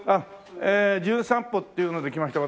『じゅん散歩』っていうので来ました